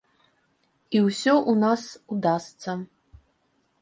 І ўсё ў нас удасца.